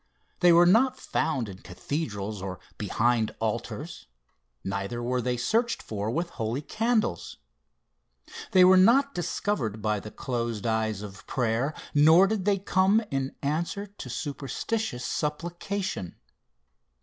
They were not found in cathedrals or behind altars neither were they searched for with holy candles. They were not discovered by the closed eyes of prayer, nor did they come in answer to superstitious supplication.